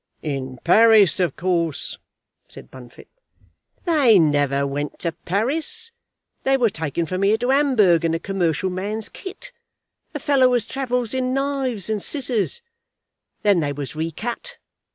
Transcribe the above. "In Paris, of course," said Bunfit. "They never went to Paris. They were taken from here to Hamburg in a commercial man's kit, a fellow as travels in knives and scissors. Then they was recut.